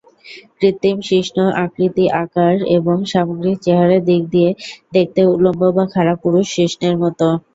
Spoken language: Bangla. কৃত্রিম শিশ্ন আকৃতি-আকার, এবং সামগ্রিক চেহারার দিক দিয়ে দেখতে উলম্ব বা খাড়া পুরুষ শিশ্নের মতো।